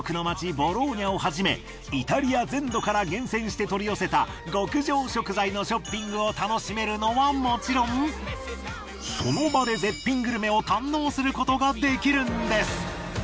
ボローニャをはじめイタリア全土から厳選して取り寄せた極上食材のショッピングを楽しめるのはもちろんその場で絶品グルメを堪能することができるんです。